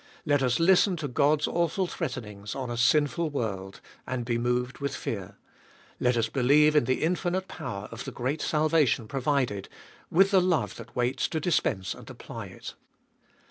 Let us listen to God's awful threatenings on a sinful world, and be moved with fear. Let us believe in the infinite power of the great salvation provided, with the love that waits to dispense and apply it.